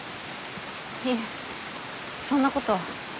いえそんなことは。